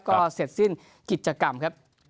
ก็เสร็จสิ้นกิจกรรมครับ